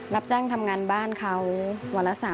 รับจ้างทำงานบ้านเขาวันละ๓๐